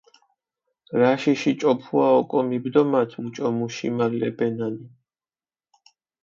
რაშიში ჭოფუა ოკო მიბდომათ მუჭო მუ შიმალებენანი.